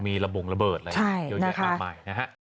มีระบงระเบิดเลยเยอะแยะอามัย